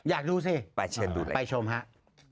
อยากดูสิไปชมครับ